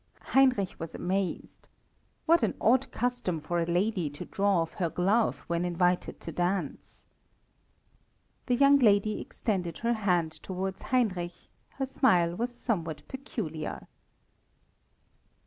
Heinrich was amazed. What an odd custom for a lady to draw off her glove when invited to dance! The young lady extended her hand towards Heinrich, her smile was somewhat peculiar.